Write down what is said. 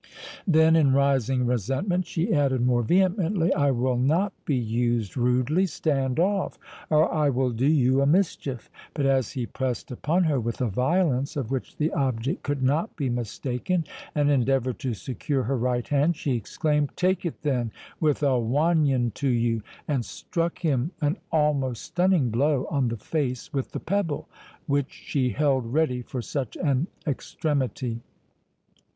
Then, in rising resentment, she added more vehemently—"I will not be used rudely—stand off, or I will do you a mischief." But, as he pressed upon her with a violence, of which the object could not be mistaken, and endeavoured to secure her right hand, she exclaimed, "Take it then, with a wanion to you!"—and struck him an almost stunning blow on the face, with the pebble which she held ready for such an extremity.